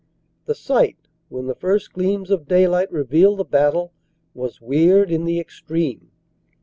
The sight, when the first gleams of daylight revealed the battle, was weird in the extreme.